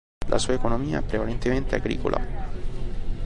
La sua economia è prevalentemente agricola.